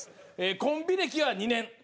コンビ歴は２年。